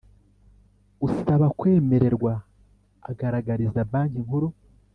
Usaba kwemererwa agaragariza Banki Nkuru